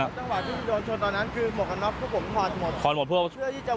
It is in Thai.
ได้แค่จังหวะที่ผู้โดนโชนตอนนั้นคือหมวกน็อกพวกผมควรหมด